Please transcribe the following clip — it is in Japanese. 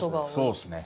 そうっすね。